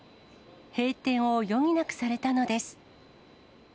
閉店を余儀なくされたのです。